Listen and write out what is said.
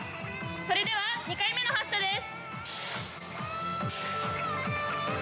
それでは２回目の発射です。